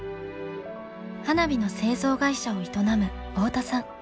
花火の製造会社を営む太田さん。